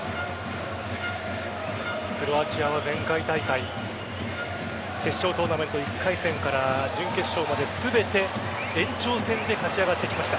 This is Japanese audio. クロアチアは前回大会決勝トーナメント１回戦から準決勝まで全て延長戦で勝ち上がってきました。